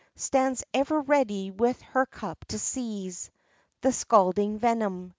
Stands ever ready with her cup to seize The scalding venom.